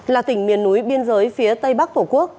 là tỉnh miền núi biên giới phía tây bắc tổ quốc